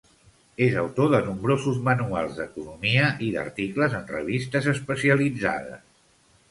És autor de nombrosos manuals d'economia i d'articles en revistes especialitzades.